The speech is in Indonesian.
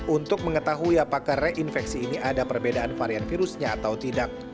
untuk mengetahui apakah reinfeksi ini ada perbedaan varian virusnya atau tidak